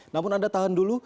namun anda tahan dulu